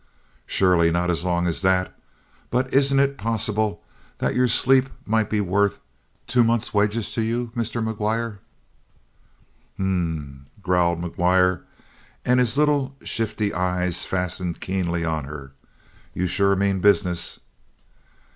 "Surely not as long as that. But isn't it possible that your sleep might be worth two months' wages to you, Mr. McGuire?" "H m m," growled McGuire, and his little shifty eyes fastened keenly on her. "You sure mean business!"